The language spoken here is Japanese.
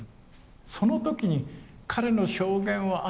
その時に彼の証言はあ